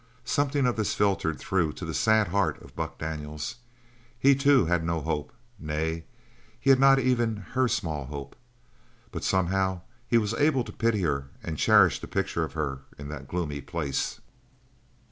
Something of this filtered through to the sad heart of Buck Daniels. He, too, had no hope nay, he had not even her small hope, but somehow he was able to pity her and cherish the picture of her in that gloomy place.